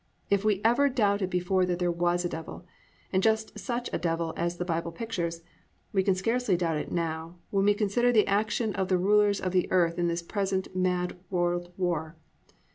If we ever doubted before that there was a Devil, and just such a Devil as the Bible pictures, we can scarcely doubt it now, when we consider the action of the rulers of the earth in this present mad world war.